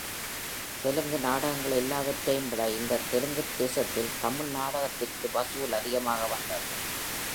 தெலுங்கு நாடகங்கள் எல்லாவற்றையும் விட, இந்தத் தெலுங்கு தேசத்தில் தமிழ் நாடகத்திற்கு வசூல் அதிகமாக வந்தது!